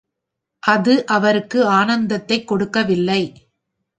அது அவருக்கு ஆனந்தத்தைக் கொடுக்கவில்லை.